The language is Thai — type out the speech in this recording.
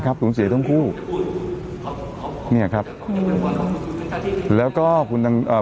นะครับสูญเสียทั้งคู่เนี่ยครับแล้วก็คุณตังอ่า